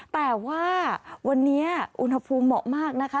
แต่ว่าวันนี้อุณหภูมิเหมาะมากนะคะ